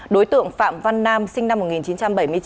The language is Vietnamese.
đối tượng phạm văn nam sinh năm một nghìn chín trăm bảy mươi chín